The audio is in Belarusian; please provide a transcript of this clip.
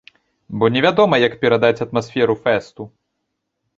Бо невядома, як перадаць атмасферу фэсту.